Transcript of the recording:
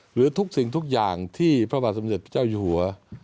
หรือทุกสิ่งทุกอย่างที่พระบาทสมเด็จพระเจ้าอยู่หัว